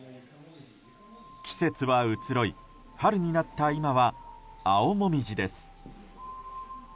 季節は移ろい春になった今は青モミジです。